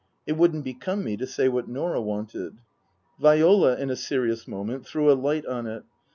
It wouldn't become me to say what Norah wanted. Viola, in a serious moment, threw a light on it.